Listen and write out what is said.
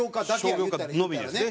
商業科のみですね。